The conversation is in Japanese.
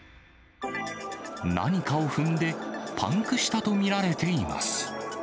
何かを踏んで、パンクしたと見られています。